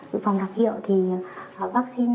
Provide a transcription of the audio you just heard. dự phòng tặc hiệu